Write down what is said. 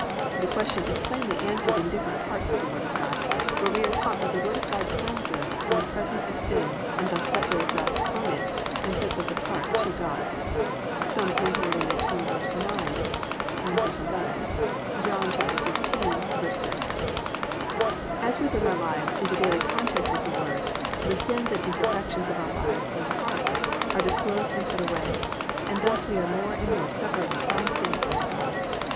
This question is plainly answered in different parts of the Word of God, where we are taught that the Word of God cleanses from the presence of sin, and thus separates us from it and sets us apart to God. (Ps. 119:9, 11; John 15:3.) As we bring our lives into daily contact with the Word, the sins and imperfections of our lives and hearts are disclosed and put away, and thus we are more and more separated from sin unto God. (cf.